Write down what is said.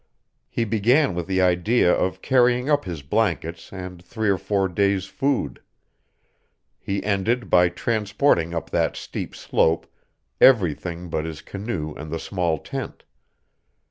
He began with the idea of carrying up his blankets and three or four days' food. He ended by transporting up that steep slope everything but his canoe and the small tent.